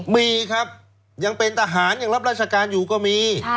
มีครับยังเป็นทหารยังรับราชการอยู่ก็มี